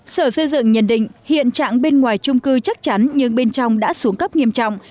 sở xây dựng nhận định hiện trạng bên ngoài trung cư chắc chắn nhưng bên trong đã xuống cấp nghiêm trọng